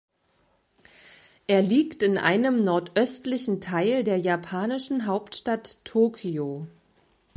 Er liegt in einem nordöstlichen Teil der japanischen Hauptstadt Tokio.